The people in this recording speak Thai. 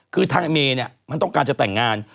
คือทางเมย์เนี่ยมันต้องการจะแต่งงาน